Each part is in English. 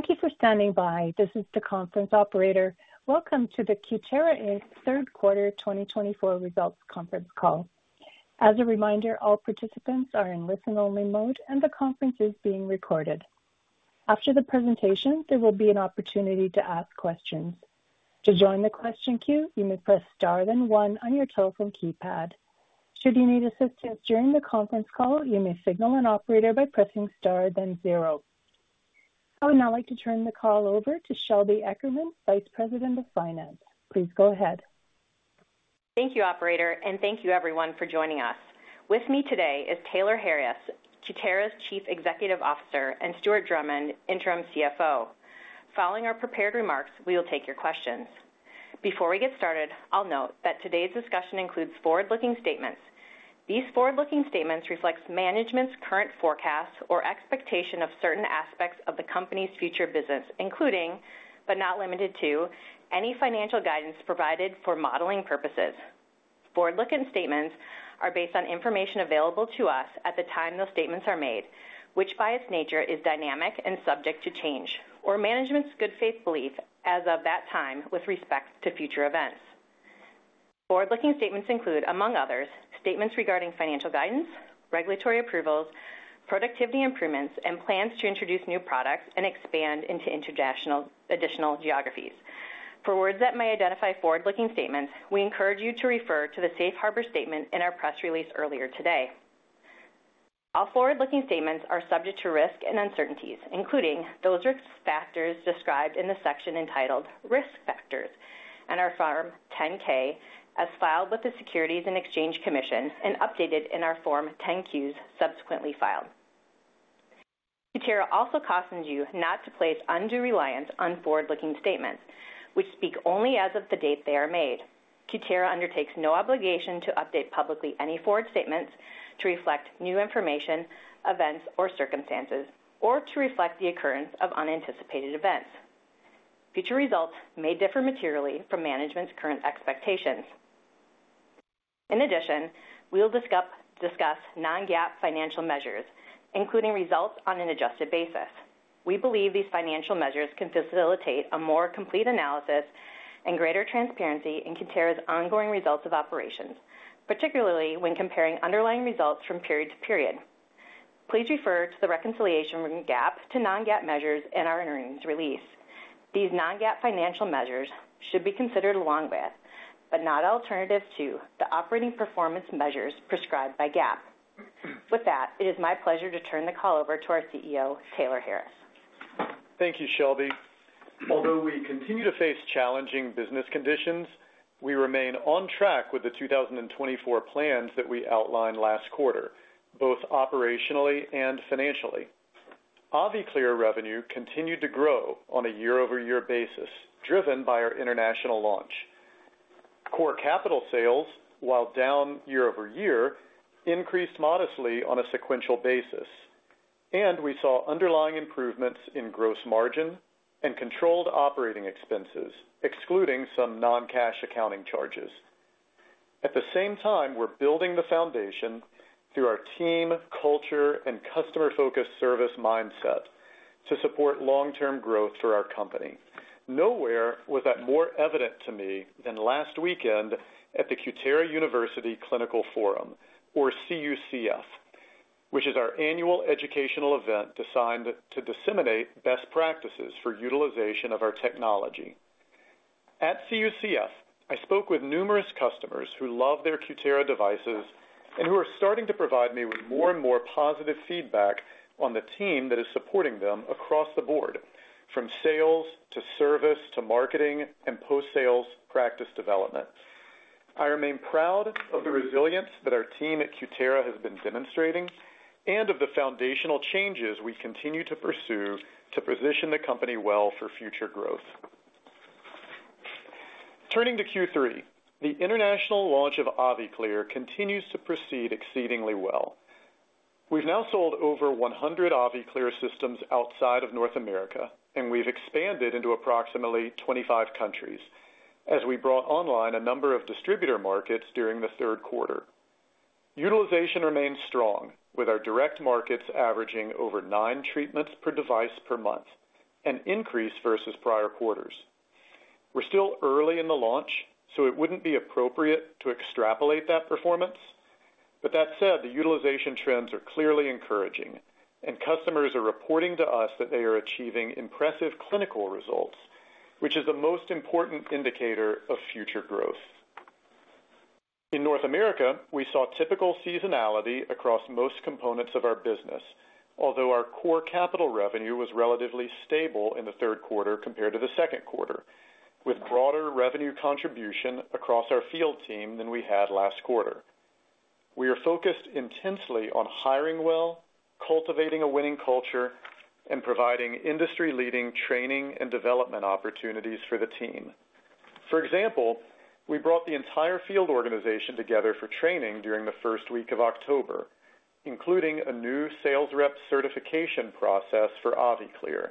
Thank you for standing by. This is the conference operator. Welcome to the Cutera, Inc. third quarter 2024 results conference call. As a reminder, all participants are in listen-only mode, and the conference is being recorded. After the presentation, there will be an opportunity to ask questions. To join the question queue, you may press star then one on your telephone keypad. Should you need assistance during the conference call, you may signal an operator by pressing star then zero. I would now like to turn the call over to Shelby Eckerman, Vice President of Finance. Please go ahead. Thank you, operator, and thank you, everyone, for joining us. With me today is Taylor Harris, Cutera's Chief Executive Officer, and Stuart Drummond, Interim CFO. Following our prepared remarks, we will take your questions. Before we get started, I'll note that today's discussion includes forward-looking statements. These forward-looking statements reflect management's current forecasts or expectation of certain aspects of the company's future business, including, but not limited to, any financial guidance provided for modeling purposes. Forward-looking statements are based on information available to us at the time those statements are made, which by its nature is dynamic and subject to change, or management's good faith belief as of that time with respect to future events. Forward-looking statements include, among others, statements regarding financial guidance, regulatory approvals, productivity improvements, and plans to introduce new products and expand into international additional geographies. For words that may identify forward-looking statements, we encourage you to refer to the Safe Harbor statement in our press release earlier today. All forward-looking statements are subject to risk and uncertainties, including those risk factors described in the section entitled Risk Factors in our Form 10-K as filed with the Securities and Exchange Commission and updated in our Form 10-Qs subsequently filed. Cutera also cautions you not to place undue reliance on forward-looking statements, which speak only as of the date they are made. Cutera undertakes no obligation to update publicly any forward statements to reflect new information, events, or circumstances, or to reflect the occurrence of unanticipated events. Future results may differ materially from management's current expectations. In addition, we will discuss non-GAAP financial measures, including results on an adjusted basis. We believe these financial measures can facilitate a more complete analysis and greater transparency in Cutera's ongoing results of operations, particularly when comparing underlying results from period to period. Please refer to the reconciliation from GAAP to non-GAAP measures in our earnings release. These non-GAAP financial measures should be considered along with, but not alternative to, the operating performance measures prescribed by GAAP. With that, it is my pleasure to turn the call over to our CEO, Taylor Harris. Thank you, Shelby. Although we continue to face challenging business conditions, we remain on track with the 2024 plans that we outlined last quarter, both operationally and financially. AviClear revenue continued to grow on a year-over-year basis, driven by our international launch. Core capital sales, while down year-over-year, increased modestly on a sequential basis. And we saw underlying improvements in gross margin and controlled operating expenses, excluding some non-cash accounting charges. At the same time, we're building the foundation through our team, culture, and customer-focused service mindset to support long-term growth for our company. Nowhere was that more evident to me than last weekend at the Cutera University Clinical Forum, or CUCF, which is our annual educational event designed to disseminate best practices for utilization of our technology. At CUCF, I spoke with numerous customers who love their Cutera devices and who are starting to provide me with more and more positive feedback on the team that is supporting them across the board, from sales to service to marketing and post-sales practice development. I remain proud of the resilience that our team at Cutera has been demonstrating and of the foundational changes we continue to pursue to position the company well for future growth. Turning to Q3, the international launch of AviClear continues to proceed exceedingly well. We've now sold over 100 AviClear systems outside of North America, and we've expanded into approximately 25 countries as we brought online a number of distributor markets during the third quarter. Utilization remains strong, with our direct markets averaging over nine treatments per device per month, an increase versus prior quarters. We're still early in the launch, so it wouldn't be appropriate to extrapolate that performance. But that said, the utilization trends are clearly encouraging, and customers are reporting to us that they are achieving impressive clinical results, which is the most important indicator of future growth. In North America, we saw typical seasonality across most components of our business, although our core capital revenue was relatively stable in the third quarter compared to the second quarter, with broader revenue contribution across our field team than we had last quarter. We are focused intensely on hiring well, cultivating a winning culture, and providing industry-leading training and development opportunities for the team. For example, we brought the entire field organization together for training during the first week of October, including a new sales rep certification process for AviClear.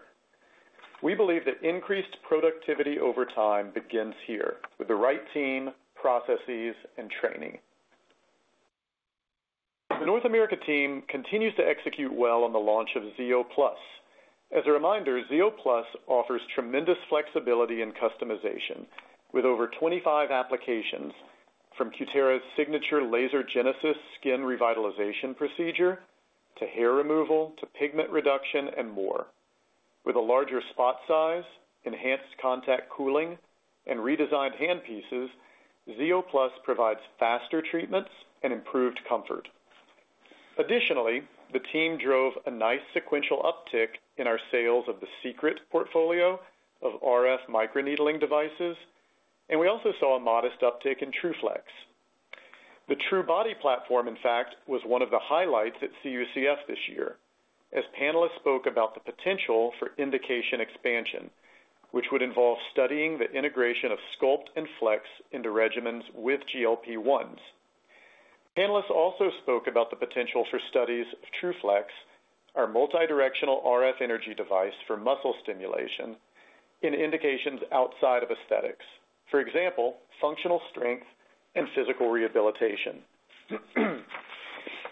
We believe that increased productivity over time begins here, with the right team, processes, and training. The North America team continues to execute well on the launch of xeo+. As a reminder, xeo+ offers tremendous flexibility and customization, with over 25 applications, from Cutera's signature Laser Genesis skin revitalization procedure to hair removal to pigment reduction and more. With a larger spot size, enhanced contact cooling, and redesigned handpieces, xeo+ provides faster treatments and improved comfort. Additionally, the team drove a nice sequential uptick in our sales of the Secret portfolio of RF microneedling devices, and we also saw a modest uptick in truFlex. The truBody platform, in fact, was one of the highlights at CUCF this year, as panelists spoke about the potential for indication expansion, which would involve studying the integration of truSculpt and truFlex into regimens with GLP-1s. Panelists also spoke about the potential for studies of truFlex, our multidirectional RF energy device for muscle stimulation, in indications outside of aesthetics, for example, functional strength and physical rehabilitation.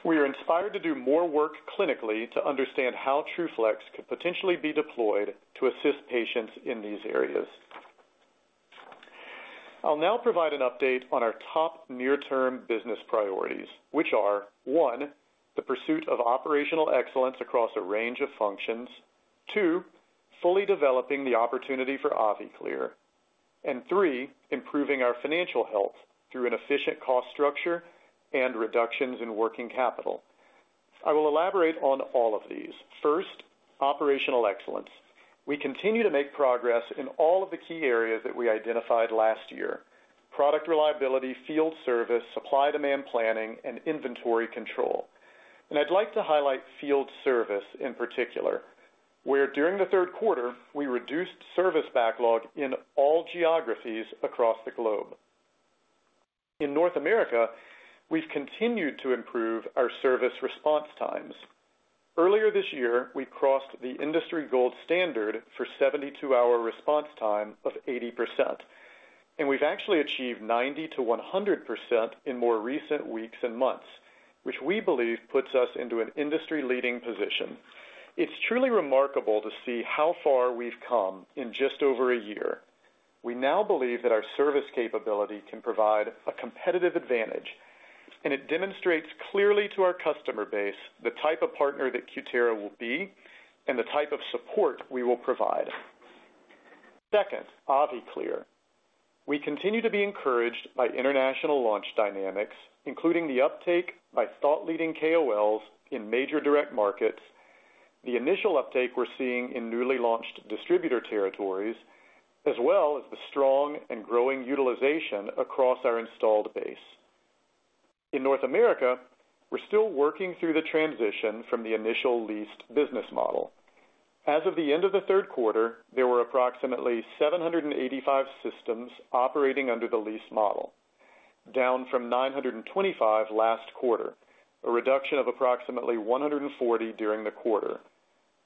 We are inspired to do more work clinically to understand how truFlex could potentially be deployed to assist patients in these areas. I'll now provide an update on our top near-term business priorities, which are, one, the pursuit of operational excellence across a range of functions, two, fully developing the opportunity for AviClear, and three, improving our financial health through an efficient cost structure and reductions in working capital. I will elaborate on all of these. First, operational excellence. We continue to make progress in all of the key areas that we identified last year: product reliability, field service, supply-demand planning, and inventory control. I'd like to highlight field service in particular, where during the third quarter, we reduced service backlog in all geographies across the globe. In North America, we've continued to improve our service response times. Earlier this year, we crossed the industry gold standard for 72-hour response time of 80%, and we've actually achieved 90%-100% in more recent weeks and months, which we believe puts us into an industry-leading position. It's truly remarkable to see how far we've come in just over a year. We now believe that our service capability can provide a competitive advantage, and it demonstrates clearly to our customer base the type of partner that Cutera will be and the type of support we will provide. Second, AviClear. We continue to be encouraged by international launch dynamics, including the uptake by thought-leading KOLs in major direct markets, the initial uptake we're seeing in newly launched distributor territories, as well as the strong and growing utilization across our installed base. In North America, we're still working through the transition from the initial leased business model. As of the end of the third quarter, there were approximately 785 systems operating under the leased model, down from 925 last quarter, a reduction of approximately 140 during the quarter,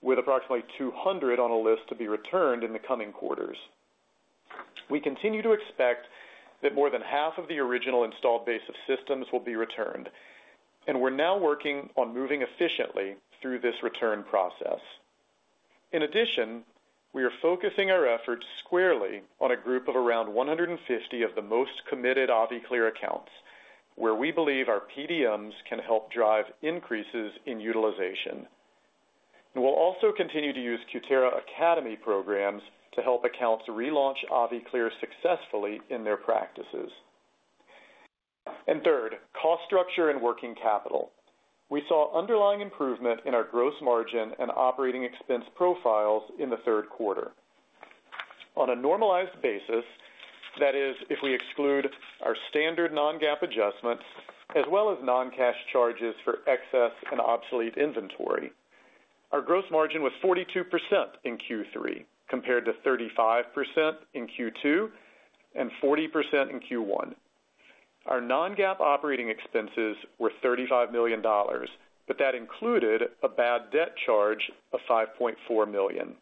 with approximately 200 on a list to be returned in the coming quarters. We continue to expect that more than half of the original installed base of systems will be returned, and we're now working on moving efficiently through this return process. In addition, we are focusing our efforts squarely on a group of around 150 of the most committed AviClear accounts, where we believe our PDMs can help drive increases in utilization. And we'll also continue to use Cutera Academy programs to help accounts relaunch AviClear successfully in their practices. And third, cost structure and working capital. We saw underlying improvement in our gross margin and operating expense profiles in the third quarter. On a normalized basis, that is, if we exclude our standard non-GAAP adjustments as well as non-cash charges for excess and obsolete inventory, our gross margin was 42% in Q3, compared to 35% in Q2 and 40% in Q1. Our non-GAAP operating expenses were $35 million, but that included a bad debt charge of $5.4 million.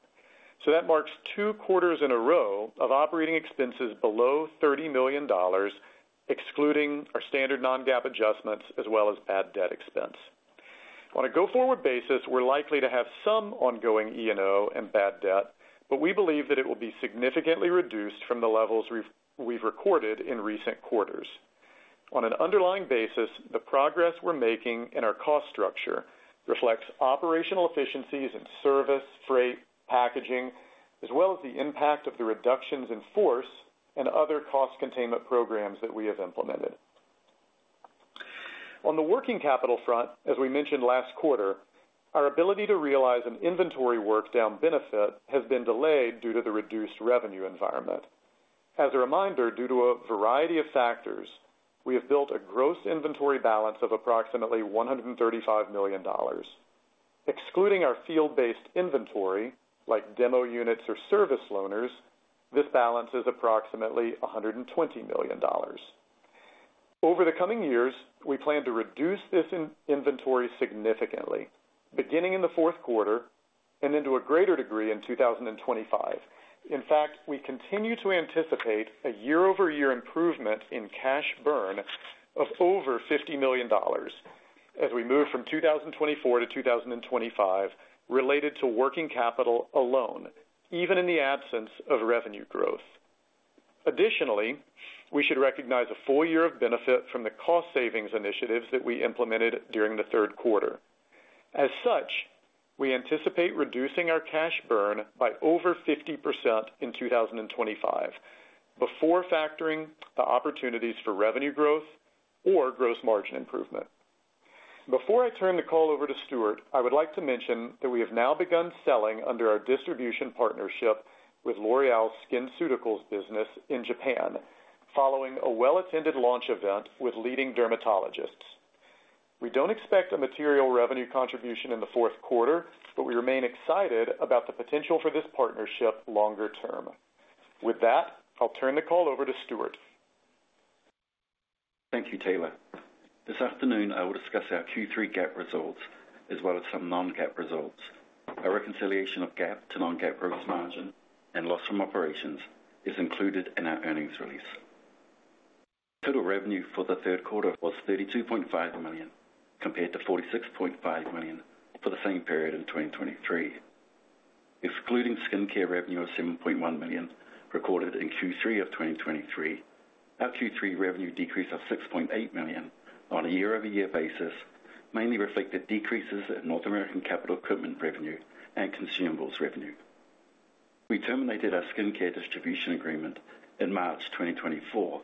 So that marks two quarters in a row of operating expenses below $30 million, excluding our standard non-GAAP adjustments as well as bad debt expense. On a go-forward basis, we're likely to have some ongoing E&O and bad debt, but we believe that it will be significantly reduced from the levels we've recorded in recent quarters. On an underlying basis, the progress we're making in our cost structure reflects operational efficiencies in service, freight, packaging, as well as the impact of the reductions in force and other cost containment programs that we have implemented. On the working capital front, as we mentioned last quarter, our ability to realize an inventory workdown benefit has been delayed due to the reduced revenue environment. As a reminder, due to a variety of factors, we have built a gross inventory balance of approximately $135 million. Excluding our field-based inventory, like demo units or service loaners, this balance is approximately $120 million. Over the coming years, we plan to reduce this inventory significantly, beginning in the fourth quarter and into a greater degree in 2025. In fact, we continue to anticipate a year-over-year improvement in cash burn of over $50 million as we move from 2024 to 2025 related to working capital alone, even in the absence of revenue growth. Additionally, we should recognize a full year of benefit from the cost savings initiatives that we implemented during the third quarter. As such, we anticipate reducing our cash burn by over 50% in 2025, before factoring the opportunities for revenue growth or gross margin improvement. Before I turn the call over to Stuart, I would like to mention that we have now begun selling under our distribution partnership with L'Oréal SkinCeuticals business in Japan, following a well-attended launch event with leading dermatologists. We don't expect a material revenue contribution in the fourth quarter, but we remain excited about the potential for this partnership longer term. With that, I'll turn the call over to Stuart. Thank you, Taylor. This afternoon, I will discuss our Q3 GAAP results as well as some non-GAAP results. Our reconciliation of GAAP to non-GAAP gross margin and loss from operations is included in our earnings release. Total revenue for the third quarter was $32.5 million, compared to $46.5 million for the same period in 2023. Excluding skincare revenue of $7.1 million recorded in Q3 of 2023, our Q3 revenue decreased of $6.8 million on a year-over-year basis, mainly reflecting decreases in North American capital equipment revenue and consumables revenue. We terminated our skincare distribution agreement in March 2024,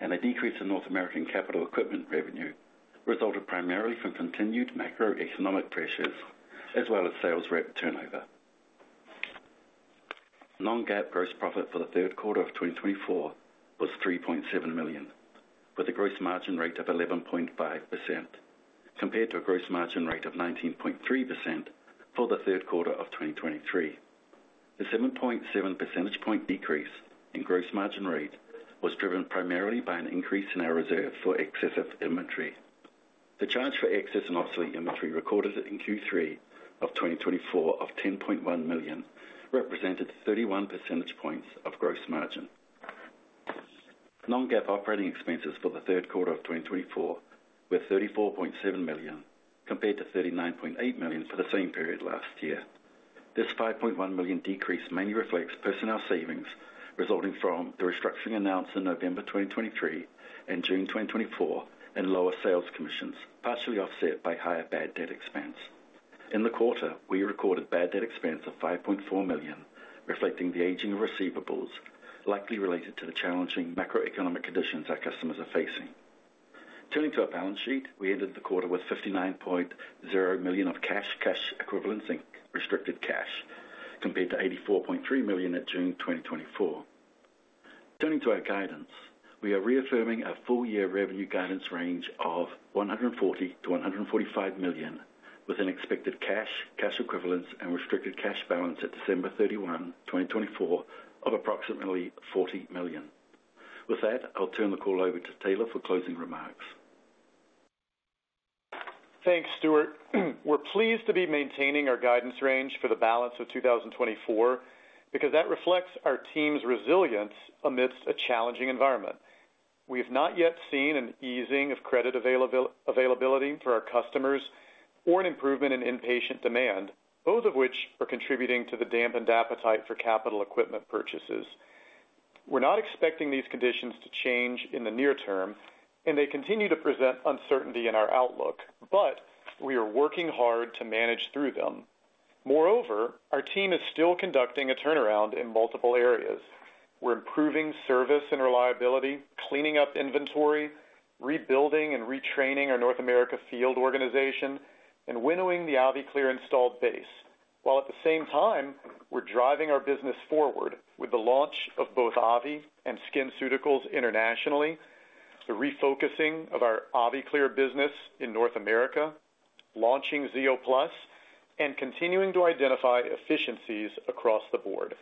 and a decrease in North American capital equipment revenue resulted primarily from continued macroeconomic pressures, as well as sales rep turnover. Non-GAAP gross profit for the third quarter of 2024 was $3.7 million, with a gross margin rate of 11.5%, compared to a gross margin rate of 19.3% for the third quarter of 2023. The 7.7 percentage point decrease in gross margin rate was driven primarily by an increase in our reserve for excess inventory. The charge for excess and obsolete inventory recorded in Q3 of 2024 of $10.1 million represented 31 percentage points of gross margin. Non-GAAP operating expenses for the third quarter of 2024 were $34.7 million, compared to $39.8 million for the same period last year. This $5.1 million decrease mainly reflects personnel savings resulting from the restructuring announced in November 2023 and June 2024 and lower sales commissions, partially offset by higher bad debt expense. In the quarter, we recorded bad debt expense of $5.4 million, reflecting the aging of receivables, likely related to the challenging macroeconomic conditions our customers are facing. Turning to our balance sheet, we ended the quarter with $59.0 million of cash equivalents in restricted cash, compared to $84.3 million at June 2024. Turning to our guidance, we are reaffirming our full-year revenue guidance range of $140 million-$145 million, with an expected cash equivalents and restricted cash balance at December 31, 2024, of approximately $40 million. With that, I'll turn the call over to Taylor for closing remarks. Thanks, Stuart. We're pleased to be maintaining our guidance range for the balance of 2024 because that reflects our team's resilience amidst a challenging environment. We have not yet seen an easing of credit availability for our customers or an improvement in end-patient demand, both of which are contributing to the dampened appetite for capital equipment purchases. We're not expecting these conditions to change in the near term, and they continue to present uncertainty in our outlook, but we are working hard to manage through them. Moreover, our team is still conducting a turnaround in multiple areas. We're improving service and reliability, cleaning up inventory, rebuilding and retraining our North America field organization, and winnowing the AviClear installed base. While at the same time, we're driving our business forward with the launch of both Avi and SkinCeuticals internationally, the refocusing of our AviClear business in North America, launching xeo+, and continuing to identify efficiencies across the board.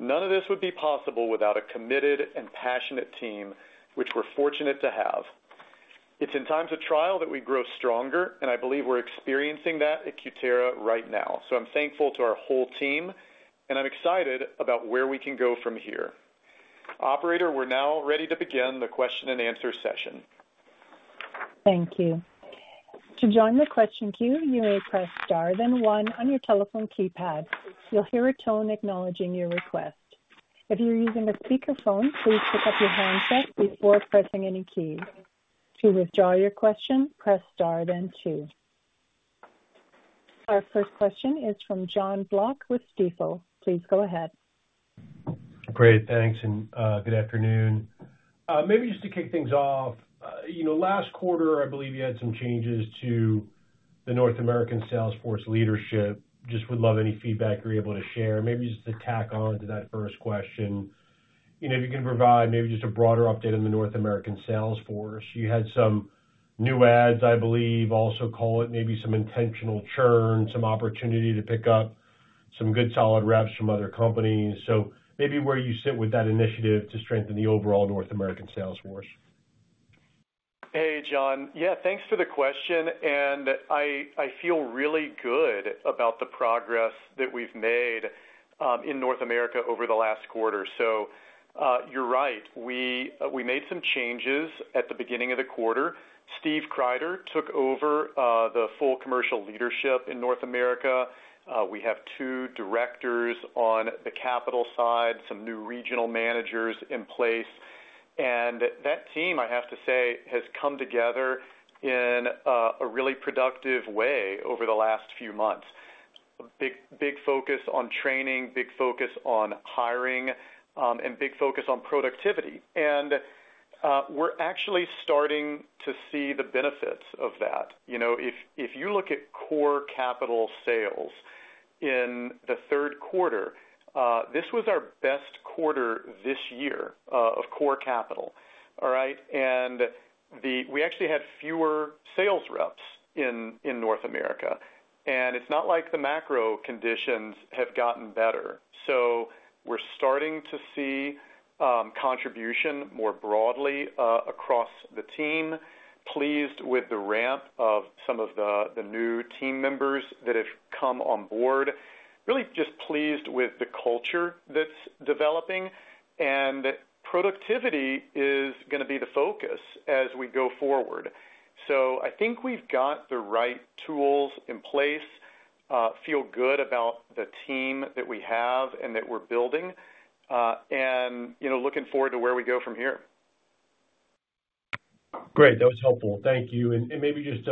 None of this would be possible without a committed and passionate team, which we're fortunate to have. It's in times of trial that we grow stronger, and I believe we're experiencing that at Cutera right now. So I'm thankful to our whole team, and I'm excited about where we can go from here. Operator, we're now ready to begin the question and answer session. Thank you. To join the question queue, you may press star then one on your telephone keypad. You'll hear a tone acknowledging your request. If you're using a speakerphone, please pick up your handset before pressing any keys. To withdraw your question, press star then two. Our first question is from Jon Block with Stifel. Please go ahead. Great. Thanks. And good afternoon. Maybe just to kick things off, last quarter, I believe you had some changes to the North American sales force leadership. Just would love any feedback you're able to share. Maybe just to tack on to that first question, if you can provide maybe just a broader update on the North American sales force. You had some new adds, I believe, also call it maybe some intentional churn, some opportunity to pick up some good solid reps from other companies. So maybe where you sit with that initiative to strengthen the overall North American sales force. Hey, Jon. Yeah, thanks for the question, and I feel really good about the progress that we've made in North America over the last quarter, so you're right. We made some changes at the beginning of the quarter. Steve Kreider took over the full commercial leadership in North America. We have two directors on the capital side, some new regional managers in place, and that team, I have to say, has come together in a really productive way over the last few months. Big focus on training, big focus on hiring, and big focus on productivity, and we're actually starting to see the benefits of that. If you look at core capital sales in the third quarter, this was our best quarter this year of core capital. All right, and we actually had fewer sales reps in North America, and it's not like the macro conditions have gotten better. So we're starting to see contribution more broadly across the team, pleased with the ramp of some of the new team members that have come on board, really just pleased with the culture that's developing. And productivity is going to be the focus as we go forward. So I think we've got the right tools in place, feel good about the team that we have and that we're building, and looking forward to where we go from here. Great. That was helpful. Thank you, and maybe just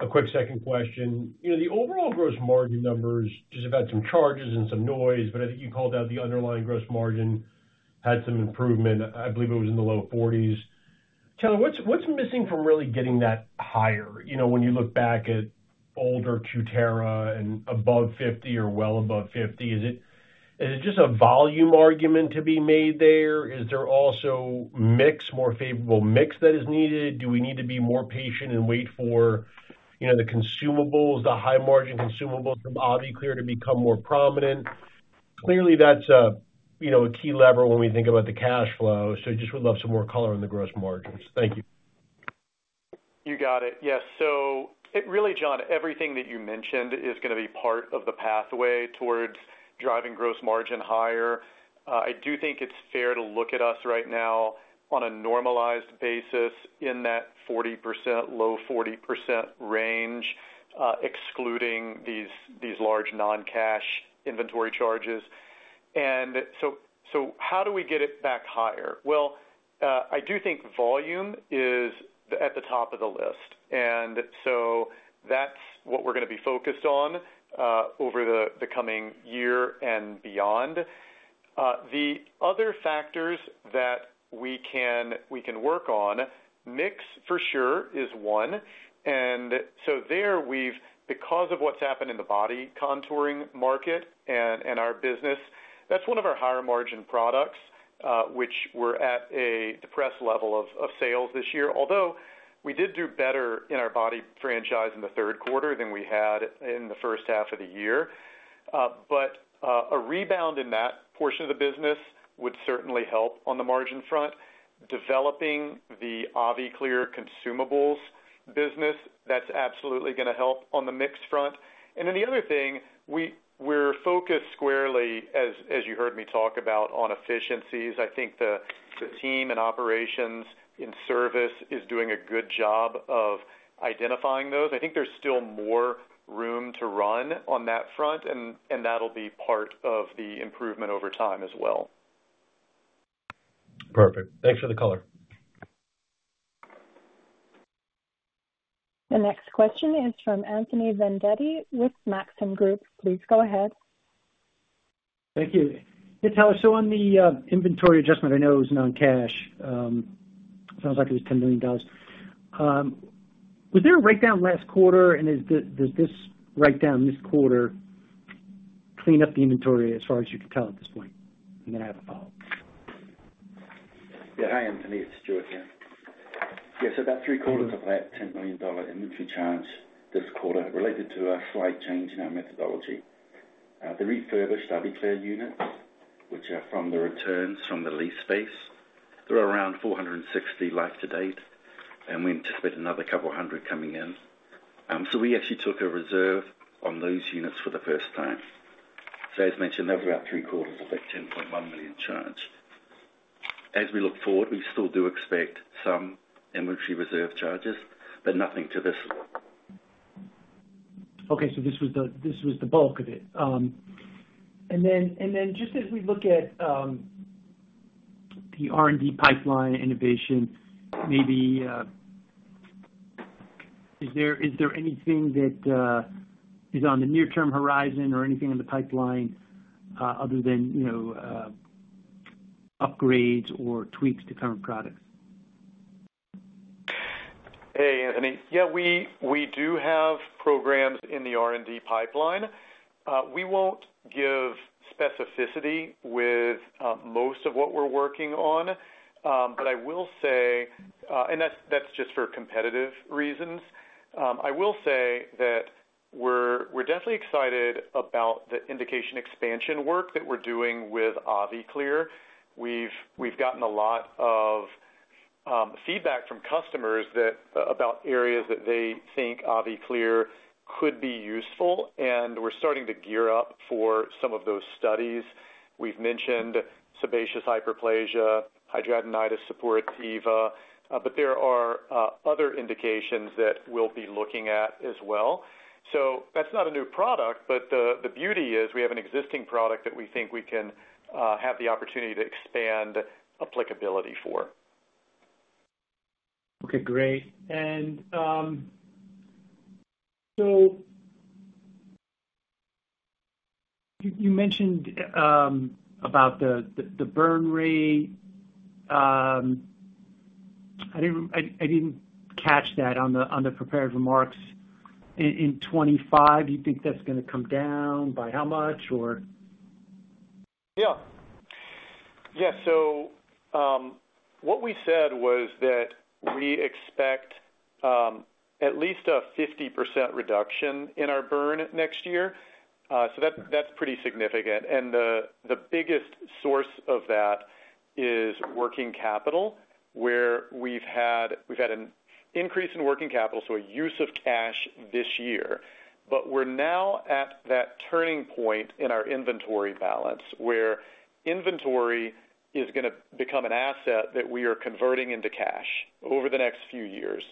a quick second question. The overall gross margin numbers just have had some charges and some noise, but I think you called out the underlying gross margin had some improvement. I believe it was in the low 40%s. Taylor, what's missing from really getting that higher? When you look back at older Cutera and above 50% or well above 50%, is it just a volume argument to be made there? Is there also a more favorable mix that is needed? Do we need to be more patient and wait for the consumables, the high-margin consumables from AviClear to become more prominent? Clearly, that's a key lever when we think about the cash flow, so just would love some more color on the gross margins. Thank you. You got it. Yes. So really, Jon, everything that you mentioned is going to be part of the pathway towards driving gross margin higher. I do think it's fair to look at us right now on a normalized basis in that 40%, low 40% range, excluding these large non-cash inventory charges. And so how do we get it back higher? Well, I do think volume is at the top of the list. And so that's what we're going to be focused on over the coming year and beyond. The other factors that we can work on, mix for sure is one. And so there, because of what's happened in the body contouring market and our business, that's one of our higher margin products, which we're at a depressed level of sales this year. Although we did do better in our body franchise in the third quarter than we had in the first half of the year, but a rebound in that portion of the business would certainly help on the margin front. Developing the AviClear consumables business, that's absolutely going to help on the mix front, and then the other thing, we're focused squarely, as you heard me talk about, on efficiencies. I think the team and operations in service is doing a good job of identifying those. I think there's still more room to run on that front, and that'll be part of the improvement over time as well. Perfect. Thanks for the color. The next question is from Anthony Vendetti with Maxim Group. Please go ahead. Thank you. Yeah, Taylor, so on the inventory adjustment, I know it was non-cash. Sounds like it was $10 million. Was there a breakdown last quarter, and does this breakdown this quarter clean up the inventory as far as you can tell at this point? And then I have a follow-up. Yeah, hi, Anthony. It's Stuart here. Yeah, so about three quarters of that $10 million inventory charge this quarter related to a slight change in our methodology. The refurbished AviClear units, which are from the returns from the lease space, they're around 460 life to date, and we anticipate another couple of hundred coming in. So we actually took a reserve on those units for the first time. So, as mentioned, that was about three quarters of that $10.1 million charge. As we look forward, we still do expect some inventory reserve charges, but nothing to this. Okay, so this was the bulk of it, and then just as we look at the R&D pipeline innovation, maybe is there anything that is on the near-term horizon or anything in the pipeline other than upgrades or tweaks to current products? Hey, Anthony. Yeah, we do have programs in the R&D pipeline. We won't give specificity with most of what we're working on, but I will say, and that's just for competitive reasons, I will say that we're definitely excited about the indication expansion work that we're doing with AviClear. We've gotten a lot of feedback from customers about areas that they think AviClear could be useful, and we're starting to gear up for some of those studies. We've mentioned sebaceous hyperplasia, hidradenitis suppurativa, but there are other indications that we'll be looking at as well. So that's not a new product, but the beauty is we have an existing product that we think we can have the opportunity to expand applicability for. Okay. Great. And so you mentioned about the burn rate. I didn't catch that on the prepared remarks. In 2025, you think that's going to come down by how much, or? Yeah. Yeah. So what we said was that we expect at least a 50% reduction in our burn next year. So that's pretty significant. And the biggest source of that is working capital, where we've had an increase in working capital, so a use of cash this year. But we're now at that turning point in our inventory balance, where inventory is going to become an asset that we are converting into cash over the next few years.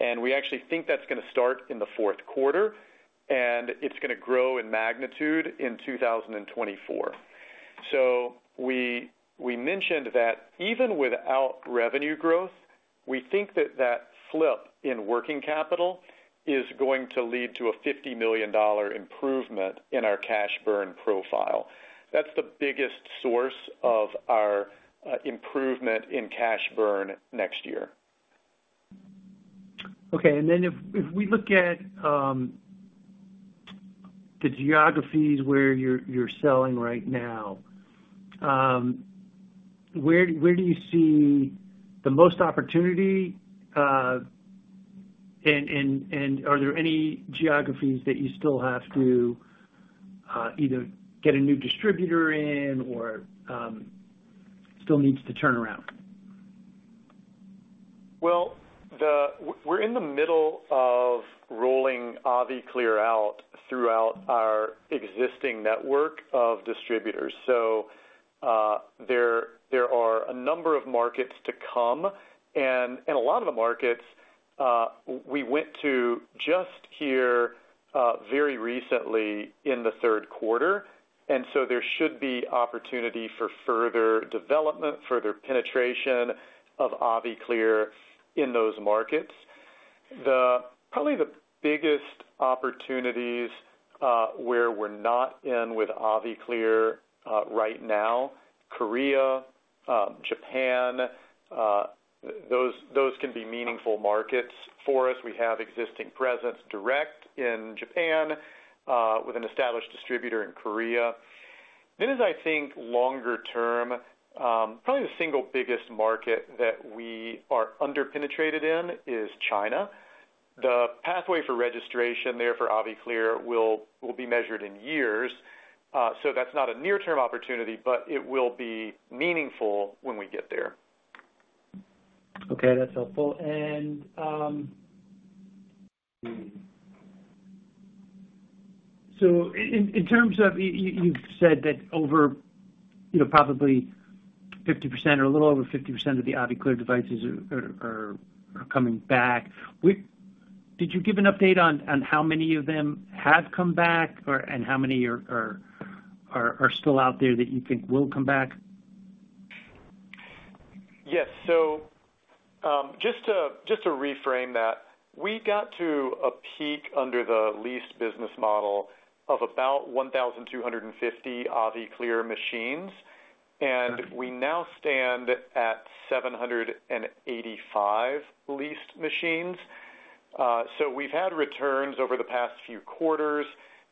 And we actually think that's going to start in the fourth quarter, and it's going to grow in magnitude in 2024. So we mentioned that even without revenue growth, we think that that flip in working capital is going to lead to a $50 million improvement in our cash burn profile. That's the biggest source of our improvement in cash burn next year. Okay. And then if we look at the geographies where you're selling right now, where do you see the most opportunity? And are there any geographies that you still have to either get a new distributor in or still needs to turn around? We're in the middle of rolling AviClear out throughout our existing network of distributors. There are a number of markets to come. A lot of the markets we went to just here very recently in the third quarter. There should be opportunity for further development, further penetration of AviClear in those markets. Probably the biggest opportunities where we're not in with AviClear right now, Korea, Japan. Those can be meaningful markets for us. We have existing presence direct in Japan with an established distributor in Korea. As I think longer term, probably the single biggest market that we are under-penetrated in is China. The pathway for registration there for AviClear will be measured in years. That's not a near-term opportunity, but it will be meaningful when we get there. Okay. That's helpful. And so in terms of you've said that over probably 50% or a little over 50% of the AviClear devices are coming back. Did you give an update on how many of them have come back and how many are still out there that you think will come back? Yes. So just to reframe that, we got to a peak under the lease business model of about 1,250 AviClear machines, and we now stand at 785 leased machines. So we've had returns over the past few quarters.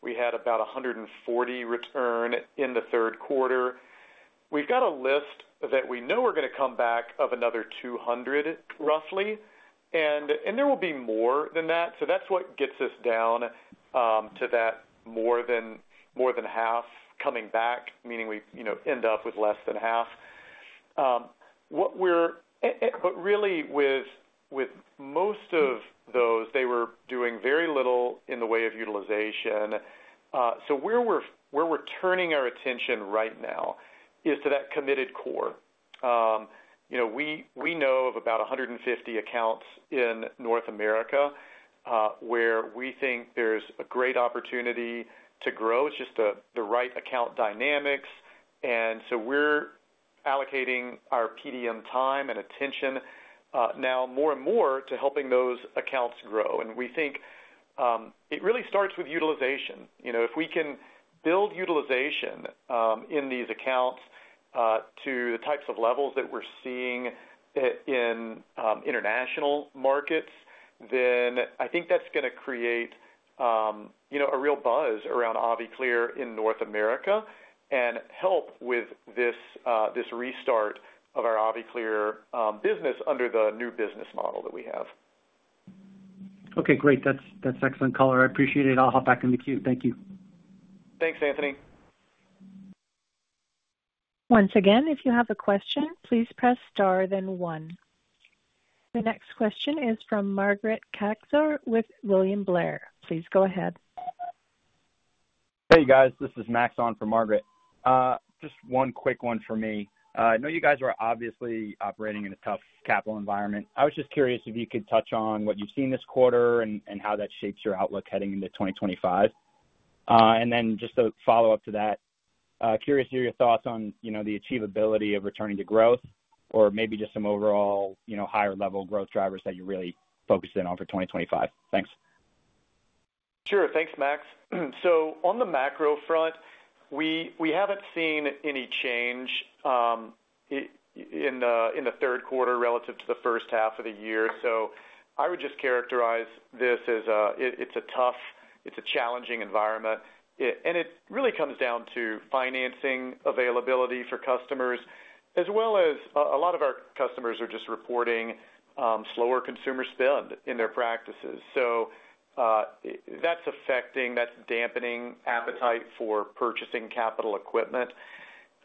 We had about 140 return in the third quarter. We've got a list that we know are going to come back of another 200 roughly, and there will be more than that. So that's what gets us down to that more than half coming back, meaning we end up with less than half, but really, with most of those, they were doing very little in the way of utilization. So where we're turning our attention right now is to that committed core. We know of about 150 accounts in North America where we think there's a great opportunity to grow. It's just the right account dynamics. And so we're allocating our PDM time and attention now more and more to helping those accounts grow. And we think it really starts with utilization. If we can build utilization in these accounts to the types of levels that we're seeing in international markets, then I think that's going to create a real buzz around AviClear in North America and help with this restart of our AviClear business under the new business model that we have. Okay. Great. That's excellent color. I appreciate it. I'll hop back in the queue. Thank you. Thanks, Anthony. Once again, if you have a question, please press star then one. The next question is from Margaret Kaczor with William Blair. Please go ahead. Hey, guys. This is Max on for Margaret. Just one quick one for me. I know you guys are obviously operating in a tough capital environment. I was just curious if you could touch on what you've seen this quarter and how that shapes your outlook heading into 2025? And then just a follow-up to that, curious to hear your thoughts on the achievability of returning to growth or maybe just some overall higher-level growth drivers that you're really focusing on for 2025? Thanks. Sure. Thanks, Max. So on the macro front, we haven't seen any change in the third quarter relative to the first half of the year. So I would just characterize this as it's a tough, it's a challenging environment. And it really comes down to financing availability for customers, as well as a lot of our customers are just reporting slower consumer spend in their practices. So that's affecting, that's dampening appetite for purchasing capital equipment.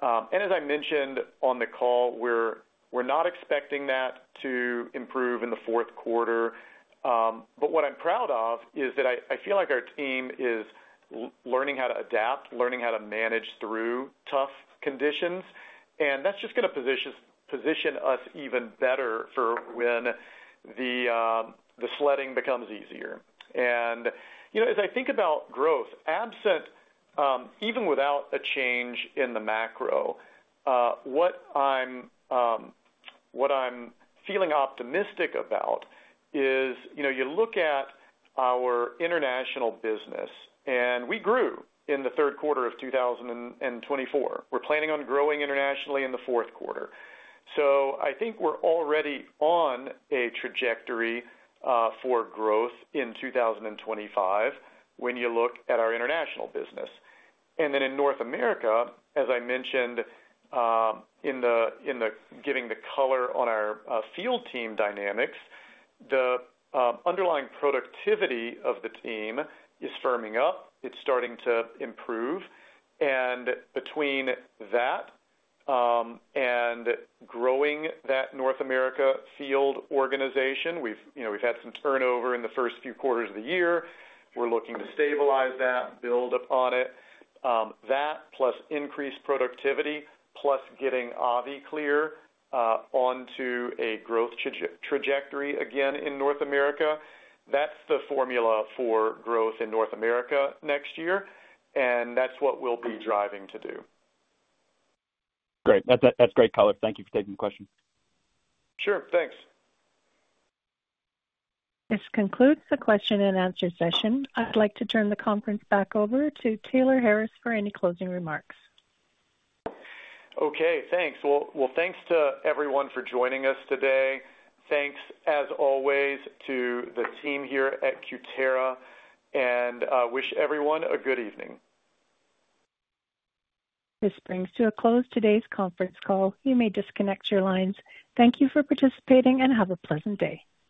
And as I mentioned on the call, we're not expecting that to improve in the fourth quarter. But what I'm proud of is that I feel like our team is learning how to adapt, learning how to manage through tough conditions. And that's just going to position us even better for when the sledding becomes easier. And as I think about growth, even without a change in the macro, what I'm feeling optimistic about is you look at our international business, and we grew in the third quarter of 2024. We're planning on growing internationally in the fourth quarter. So I think we're already on a trajectory for growth in 2025 when you look at our international business. And then in North America, as I mentioned in giving the color on our field team dynamics, the underlying productivity of the team is firming up. It's starting to improve. And between that and growing that North America field organization, we've had some turnover in the first few quarters of the year. We're looking to stabilize that, build upon it. That, plus increased productivity, plus getting AviClear onto a growth trajectory again in North America, that's the formula for growth in North America next year and that's what we'll be driving to do. Great. That's great color. Thank you for taking the question. Sure. Thanks. This concludes the question and answer session. I'd like to turn the conference back over to Taylor Harris for any closing remarks. Okay. Thanks. Thanks to everyone for joining us today. Thanks, as always, to the team here at Cutera. Wish everyone a good evening. This brings to a close today's conference call. You may disconnect your lines. Thank you for participating and have a pleasant day.